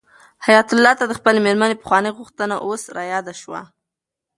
حیات الله ته د خپلې مېرمنې پخوانۍ غوښتنه اوس رایاده شوه.